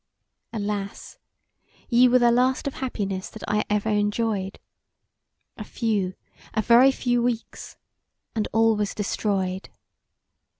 Alas! ye were the last of happiness that I ever enjoyed; a few, a very few weeks and all was destroyed.